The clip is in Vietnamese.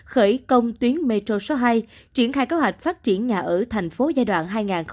khởi công tuyến metro số hai triển khai kế hoạch phát triển nhà ở thành phố giai đoạn hai nghìn một mươi sáu hai nghìn hai mươi năm